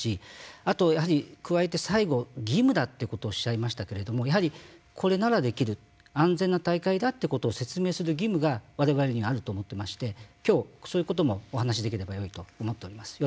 あと加えて最後義務だということをおっしゃいましたけれどもやはりこれならできる安全な大会だということを説明する義務がわれわれにはあると思っていましてきょう、そういうこともお話しできればよいと思っております。